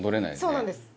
そうなんです。